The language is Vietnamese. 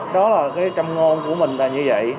đó là cái trăm ngôn của mình là như vậy